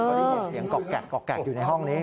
เขาได้ยินเสียงกอกแกะอยู่ในห้องนี้